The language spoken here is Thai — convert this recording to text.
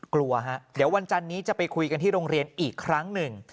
กลัวฮะเดี๋ยววันจันนี้จะไปคุยกันที่โรงเรียนอีกครั้งหนึ่ง